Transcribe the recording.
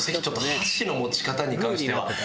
箸の持ち方に関しては。